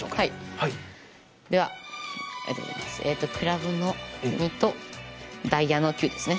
クラブの２とダイヤのＱですね。